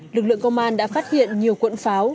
lực lượng công an đã phát hiện nhiều cuộn pháo